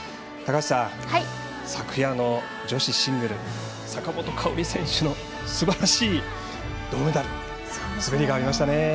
高橋さん、昨夜の女子シングル坂本花織選手のすばらしい銅メダルの滑りがありましたね。